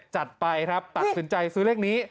จัดไปครับตัดสินใจซื้อเลขนี้